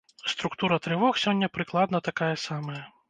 Структура трывог сёння прыкладна такая самая.